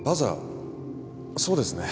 そうですね。